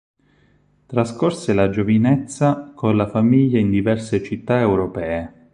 Trascorse la giovinezza con la famiglia in diverse città europee.